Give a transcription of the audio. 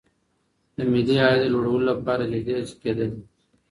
د ملي عاید د لوړولو لپاره جدي هڅي کیدلې.